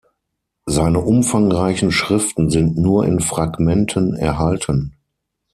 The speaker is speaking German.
Seine umfangreichen Schriften sind nur in Fragmenten erhalten.